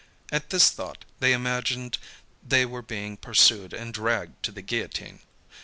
At this thought, they imagined they were being pursued and dragged to the guillotine.